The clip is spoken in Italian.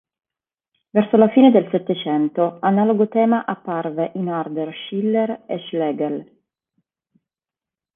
Verso la fine del Settecento, analogo tema apparve in Herder, Schiller e Schlegel.